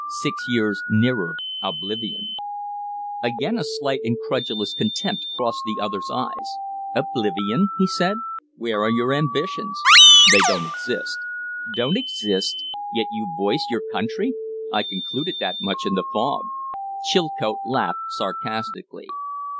Six years nearer oblivion " Again a slight incredulous contempt crossed the other's eyes. "Oblivion?" he said. "Where are your ambitions?" "They don't exist." "Don't exist? Yet you voice your country? I concluded that much in the fog." Chilcote laughed sarcastically.